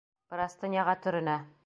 Простыняға төрөнә.